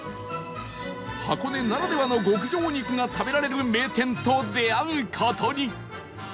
箱根ならではの極上肉が食べられる名店と出会う事に